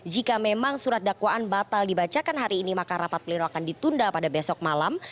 jika memang surat dakwaan batal dibacakan hari ini maka rapat pleno akan ditunda pada besok malam